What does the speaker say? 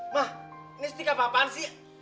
mah ini sedikit apa apaan sih